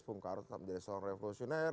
bung karno tetap menjadi seorang revolusioner